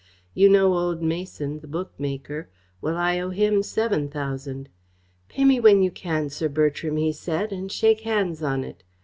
You know old Mason, the bookmaker well, I owe him seven thousand. 'Pay me when you can, Sir Bertram,' he said, 'and shake hands on it.'